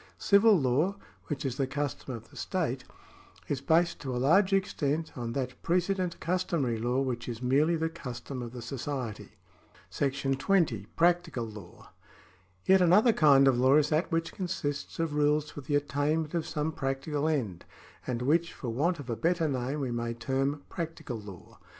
Civil law, which is the custom of the state, is based to a large extent on that precedent customary law which is merely the custom of the society. § 20. Practical Law. Yet another kind of law is that which consists of rules for the attainment of some practical end, and which, for want of a better name, we may term practical law.